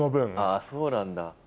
あそうなんだ。